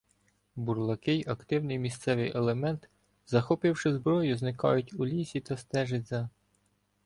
Бурлаки й активний місцевий елемент, захопивши зброю, зникають у лісі та стежать за